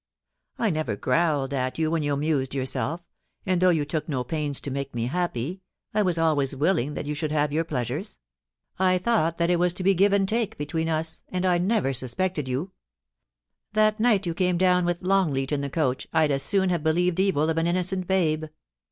I never growled at you when you amused yourself; and though you took no pains to make me happy, I was always willing that you should have your pleasures. I thought that it was to be "give and take" between us, and I never suspected you. ... That night you came down with Longleat in the coach I'd as soon have believed evil of an innocent babe.